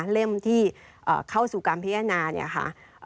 เล่มที่เข้าสู่การพิจารณา